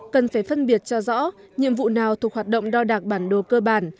cần phải phân biệt cho rõ nhiệm vụ nào thuộc hoạt động đo đạc bản đồ cơ bản